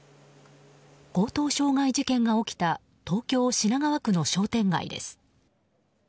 強盗傷害事件が起きた東京・品川区の商店街です。